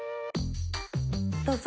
どうぞ。